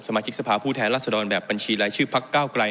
มาชิกสภาพผู้แทนรัศดรแบบบัญชีรายชื่อพักเก้าไกล